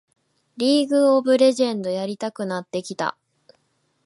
リーグ・オブ・レジェンドやりたくなってきた